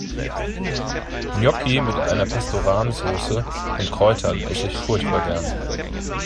Gnocchi mit einer Pesto-Rahm-Soße und Kräutern esse ich furchtbar gern.